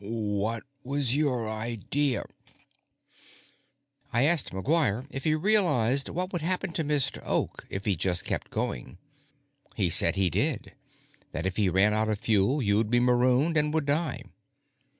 "What was your idea?" "I asked McGuire if he realized what would happen to Mr. Oak if he just kept going. He said he did; that if he ran out of fuel, you'd be marooned and would die.